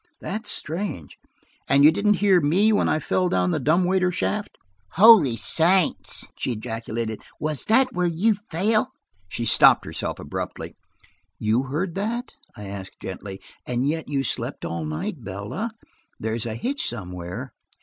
"That's strange. And you didn't hear me when I fell down the dumb waiter shaft?" "Holy saints!" she ejaculated. "Was that where you fell!" She stopped herself abruptly. "You heard that?" I asked gently, "and yet you slept all night? Bella, there's a hitch somewhere.